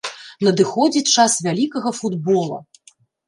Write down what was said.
Надыходзіць час вялікага футбола!